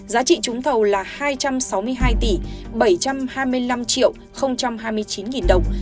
giá trị trúng thầu là hai trăm sáu mươi hai tỷ bảy trăm hai mươi năm hai mươi chín đồng